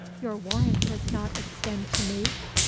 Your warrant does not extend to me?"